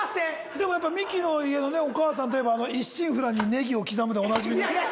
でもやっぱミキの家のねお母さんといえば一心不乱にネギを刻むでおなじみの。